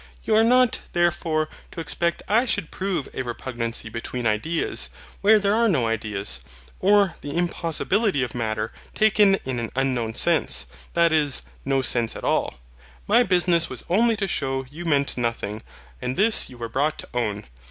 You are not, therefore, to expect I should prove a repugnancy between ideas, where there are no ideas; or the impossibility of Matter taken in an UNKNOWN sense, that is, no sense at all. My business was only to shew you meant NOTHING; and this you were brought to own.